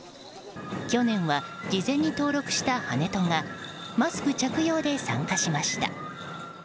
去年は事前に登録した跳人がマスク着用で参加しました。